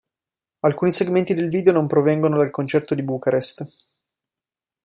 Alcuni segmenti del video non provengono dal concerto di Bucarest.